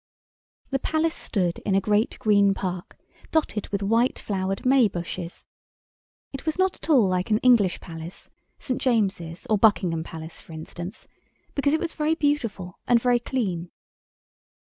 The Palace stood in a great green park dotted with white flowered may bushes. It was not at all like an English palace, St. James's or Buckingham Palace, for instance, because it was very beautiful and very clean.